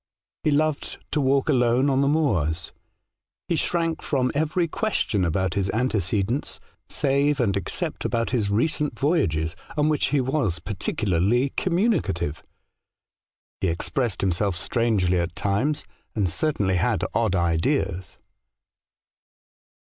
He loved to walk alone on the moors ; he shrank from every question about his antecedents, save and except about his recent voyages, on which he was particularly communicative; he expressed himself strangely at times, and certainly had odd ideas.